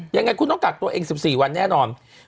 ยังไงคุณต้องกักตัวเอง๑๔วันแน่นอน